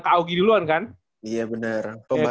ke augie duluan kan iya bener